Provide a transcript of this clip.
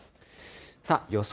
さあ、予想